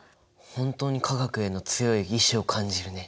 本当に化学への強い意志を感じるね。